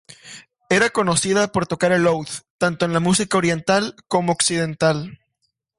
Era conocida por tocar el oud, tanto en la música oriental como occidental.